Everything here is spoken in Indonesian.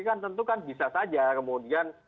kan tentu kan bisa saja kemudian